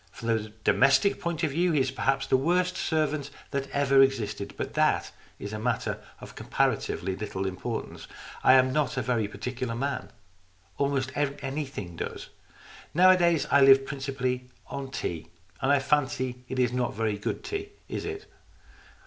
From the domestic point of view he is perhaps the worst servant that ever existed, but that is a matter of comparatively little importance. I am not a very particular man. Almost anything does. Nowa days I live principally on tea, and I fancy it is not very good tea, is it